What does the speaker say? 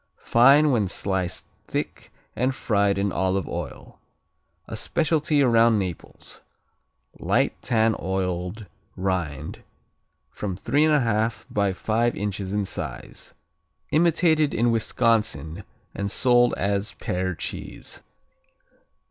Fine when sliced thick and fried in olive oil. A specialty around Naples. Light tan oiled rind, about 3 1/2 by five inches in size. Imitated in Wisconsin and sold as Pear cheese.